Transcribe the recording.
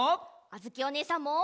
あづきおねえさんも！